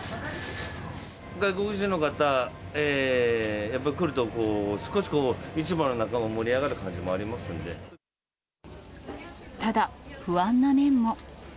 外国人の方、やっぱり来ると、少しこう、市場の中も盛り上がる感じもありただ、不安な面も。